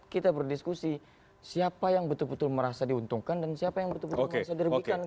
kita berdiskusi siapa yang betul betul merasa diuntungkan dan siapa yang betul betul merasa dirugikan